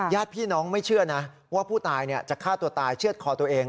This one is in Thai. ญาติพี่น้องไม่เชื่อนะว่าผู้ตายจะฆ่าตัวตายเชื่อดคอตัวเอง